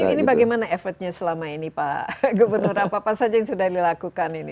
ini bagaimana effortnya selama ini pak gubernur apa apa saja yang sudah dilakukan ini